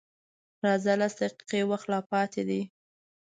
_راځه! لس دقيقې وخت لا پاتې دی.